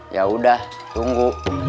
ya udah tunggu